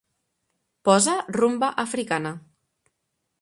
Posa rumba africana.